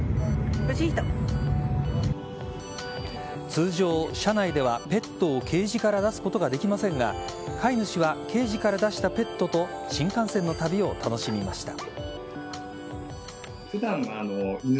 通常、車内ではペットをケージから出すことができませんが飼い主はケージから出したペットと新幹線の旅を楽しみました。